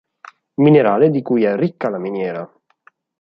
Minerale di cui è ricca la miniera.